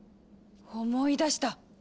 思い出した。